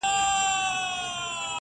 زه درڅخه ځمه ته اوږدې شپې زنګوه ورته!